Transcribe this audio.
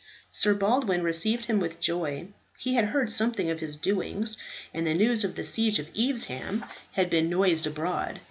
Sir Baldwin received him with joy. He had heard something of his doings, and the news of the siege of Evesham had been noised abroad.